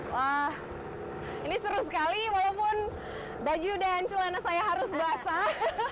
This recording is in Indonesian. wah ini seru sekali walaupun baju dan celana saya harus basah